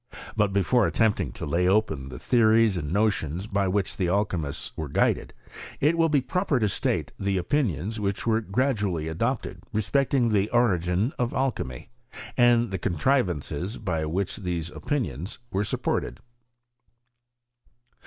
Bat before attempting to lay open the theories and notions by which the alchymists were guided, it will be proper to state the opinions which were gradually adopted respecting the origin of Alchymy, and the contrivances by which these opinions were supported.